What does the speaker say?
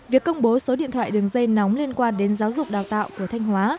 việc công bố số điện thoại đường dây nóng liên quan đến giáo dục đào tạo của thanh hóa